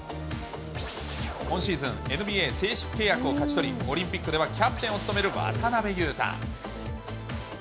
今シーズン、ＮＢＡ、正式契約を勝ち取り、オリンピックではキャプテンを務める渡邊雄太。